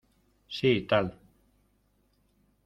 sí tal.